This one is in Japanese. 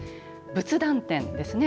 仏壇店ですね。